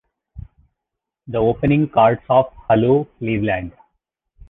The opening chords of Hello Cleveland!